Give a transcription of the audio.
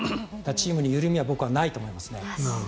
チームに緩みはないと僕は思いますね。